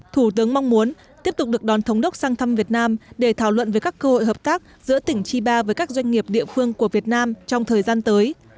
thủ tướng mong muốn tiếp tục được đón thống đốc sang thăm việt nam để thảo luận về các cơ hội hợp tác giữa tỉnh chiba với các doanh nghiệp địa phương của việt nam trong thời gian tới